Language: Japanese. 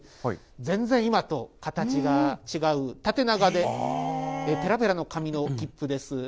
全然今と形が違う、縦長でぺらぺらの紙の切符です。